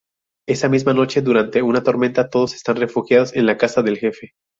Esa misma noche durante una tormenta, todos están refugiados en la casa del jefe.